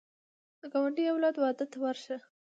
د ګاونډي د اولاد واده ته ورشه